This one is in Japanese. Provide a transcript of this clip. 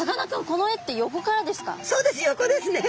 この絵って横からですか？